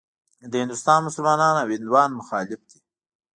د هندوستان مسلمانان او هندوان مخالف دي.